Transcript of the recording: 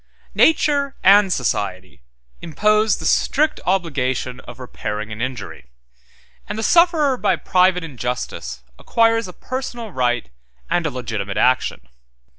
Nature and society impose the strict obligation of repairing an injury; and the sufferer by private injustice acquires a personal right and a legitimate action.